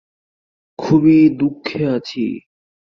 খুবই দুঃখে আছি!